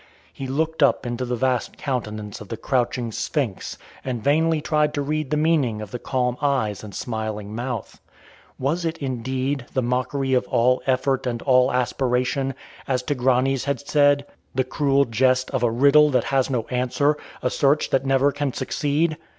He looked up into the vast countenance of the crouching Sphinx and vainly tried to read the meaning of her calm eyes and smiling mouth. Was it, indeed, the mockery of all effort and all aspiration, as Tigranes had said the cruel jest of a riddle that has no answer, a search that never can succeed?